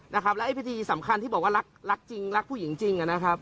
แล้วพิธีสำคัญที่บอกว่ารักจริงรักผู้หญิงจริง